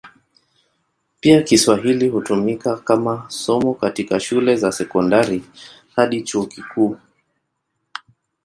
Pia Kiswahili hutumika kama somo katika shule za sekondari hadi chuo kikuu.